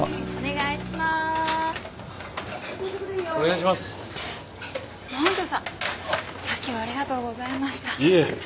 いえ。